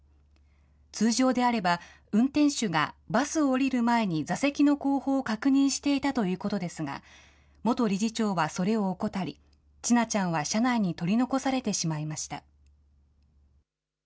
通常であれば、運転手がバスを降りる前に座席の後方を確認していたということですが、元理事長はそれを怠り、千奈ちゃんは車内に取り残されてしまいました。